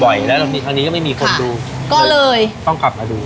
บ่อยแล้วอันนี้ไม่มีคนดูก็เลยต้องกลับกันดู